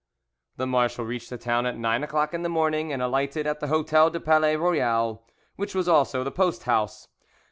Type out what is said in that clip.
The marshal reached the town at nine o'clock in the morning, and alighted at the Hotel du Palais Royal, which was also the post house.